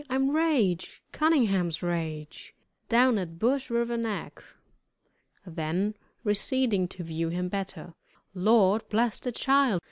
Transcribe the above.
I'm Rache Cunningham's Rache, down at Bush River Neck." Then receding to view him better, "Lord bless de child!